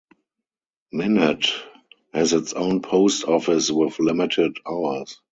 Minot has its own post office with limited hours.